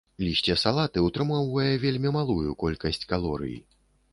Лісце салаты ўтрымоўвае вельмі малую колькасць калорый.